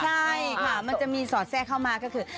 ใช่ค่ะมันจะมีสอดแทรกเข้ามาก็คือ